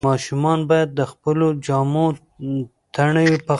ماشومان باید د خپلو جامو تڼۍ پخپله وتړي.